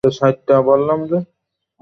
বহুদিন পর দেখা।